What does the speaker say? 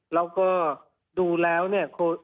เราก็ดูแล้วเนี่ย